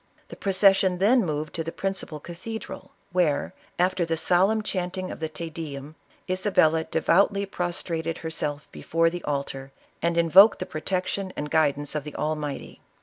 The procession then moved to the principal cathedral, where, after the solemn chanting of the Te Dcum, Isabella devoutly prostrated herself before the altar and invoked the protection and guidance of the Almighty.